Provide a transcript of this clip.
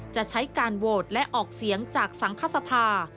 จะใช้การโหวตและออกเสียงจากสังคสภา